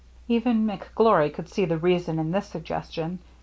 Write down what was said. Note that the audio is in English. Even McGlory could see the reason in this suggestion.